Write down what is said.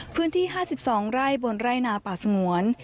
พื้นที่๕๒ไร่บนไร่นาป่าสงวน